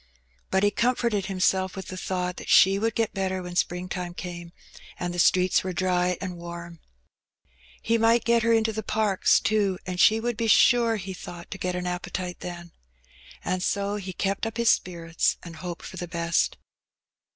But he comforted himself with the thought that she would get better when the spring time came, and the streets were dry and warm. He might In which Joe Wrag has a Vision. 17 get her into the parks^ too^ and she would be sure^ he thought^ to get an appetite then. And so he kept up his spirits^ and hoped for the best.